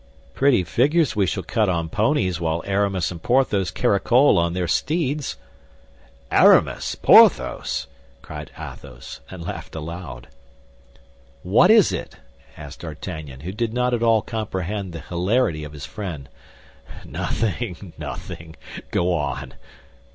"Pretty figures we shall cut on ponies while Aramis and Porthos caracole on their steeds." "Aramis! Porthos!" cried Athos, and laughed aloud. "What is it?" asked D'Artagnan, who did not at all comprehend the hilarity of his friend. "Nothing, nothing! Go on!"